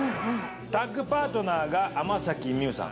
タッグパートナーが天咲光由さん。